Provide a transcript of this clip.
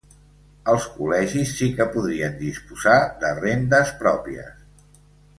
Els col·legis sí que podrien disposar de rendes pròpies.